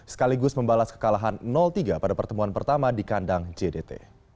sekaligus membalas kekalahan tiga pada pertemuan pertama di kandang jdt